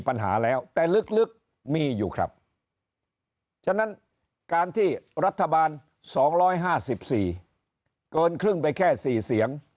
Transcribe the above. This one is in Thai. ปัญหาแล้วแต่ลึกมีอยู่ครับฉะนั้นการที่รัฐบาล๒๕๔เกินครึ่งไปแค่๔เสียง